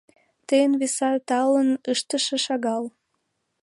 Тыйын виса талын ыштыше шагал.